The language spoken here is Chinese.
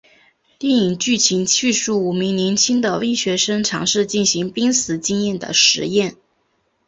电影剧情叙述五名年轻的医学生尝试进行濒死经验的实验。